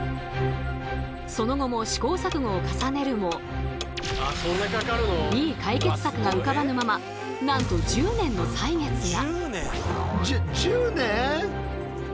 その後も試行錯誤を重ねるもいい解決策が浮かばぬままなんと１０年の歳月が。